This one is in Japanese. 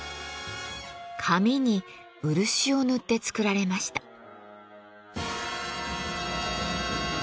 紙に漆を塗って作られました。